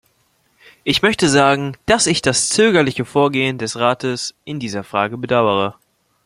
Ich möchte sagen, dass ich das zögerliche Vorgehen des Rates in dieser Frage bedauere.